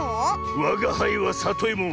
わがはいはさといも。